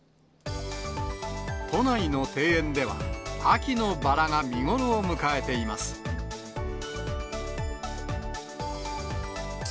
都内の庭園では、秋のバラが見頃を迎えています。